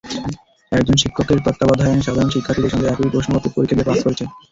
একজন শিক্ষকের তত্ত্বাবধানে সাধারণ শিক্ষার্থীদের সঙ্গে একই প্রশ্নপত্রে পরীক্ষা দিয়ে পাস করেছে।